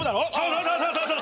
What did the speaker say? そうそうそうそう！